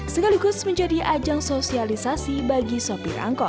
sekaligus menjadi ajang sosialisasi bagi sopir angkot